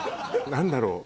何だろう？